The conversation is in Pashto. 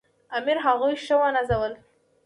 امیر هغوی ښه ونازول.